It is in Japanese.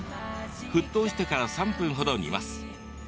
沸騰してから３分程、煮ます。